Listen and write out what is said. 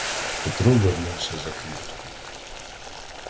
Петро вернувся за хвіртку.